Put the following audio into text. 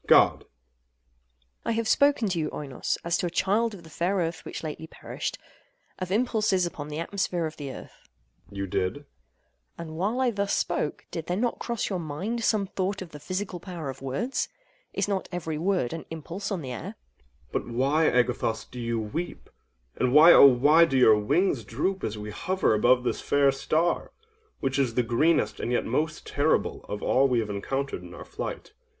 God. AGATHOS. I have spoken to you, Oinos, as to a child of the fair Earth which lately perished—of impulses upon the atmosphere of the Earth. OINOS. You did. AGATHOS. And while I thus spoke, did there not cross your mind some thought of the physical power of words? Is not every word an impulse on the air? OINOS. But why, Agathos, do you weep—and why, oh why do your wings droop as we hover above this fair star—which is the greenest and yet most terrible of all we have encountered in our flight?